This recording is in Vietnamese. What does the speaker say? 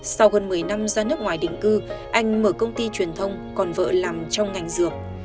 sau gần một mươi năm ra nước ngoài định cư anh mở công ty truyền thông còn vợ làm trong ngành dược